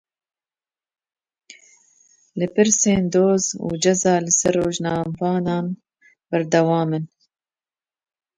Lêpirsîn, doz û ceza li ser rojnamevanan berdewam in.